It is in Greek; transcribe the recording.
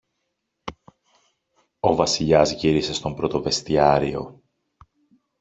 Ο Βασιλιάς γύρισε στον πρωτοβεστιάριο.